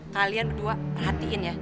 kalian berdua perhatiin ya